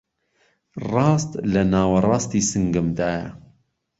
ڕاست لەناوەڕاستی سنگمدایه